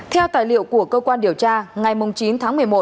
theo tài liệu của cơ quan điều tra ngày chín tháng một mươi một